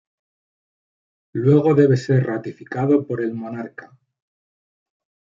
Luego debe ser ratificado por el Monarca.